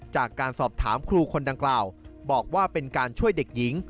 จากการสอบถามครูคนดังกล่าวบอกว่าเป็นการช่วยเด็กหญิง